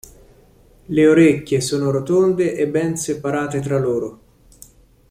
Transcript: Le orecchie sono rotonde e ben separate tra loro.